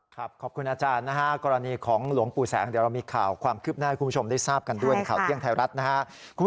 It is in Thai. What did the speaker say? ขอบคุณอาจารย์นะฮะกรณีของหลวงปู่แสงเดี๋ยวเรามีข่าวความคืบหน้าให้คุณผู้ชมได้ทราบกันด้วยในข่าวเที่ยงไทยรัฐนะฮะ